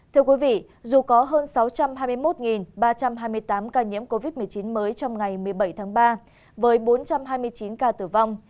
thưa quý vị dù có hơn sáu trăm hai mươi một ba trăm hai mươi tám ca nhiễm covid một mươi chín mới trong ngày một mươi bảy tháng ba với bốn trăm hai mươi chín ca tử vong